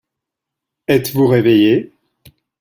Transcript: Êtes-vous réveillé ?